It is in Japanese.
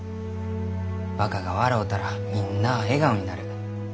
若が笑うたらみんなあ笑顔になる。